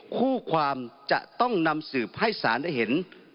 คู่ความจะต้องนำสืบให้สารได้เห็น